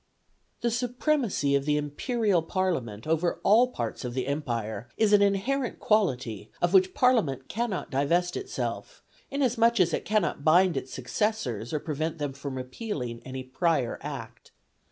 The supremacy of the Imperial Parliament over all parts of the Empire is an inherent quality of which Parliament cannot divest itself, inasmuch as it cannot bind its successors or prevent them from repealing any prior Act.